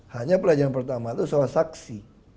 hanya pelajaran pertama itu soal saksi